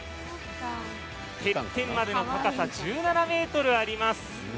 てっぺんまでの高さ１７ｍあります。